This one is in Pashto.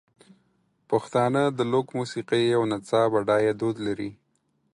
پښتانه د لوک موسیقۍ او نڅا بډایه دود لري.